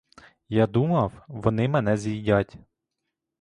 Я думав, вони мене з'їдять.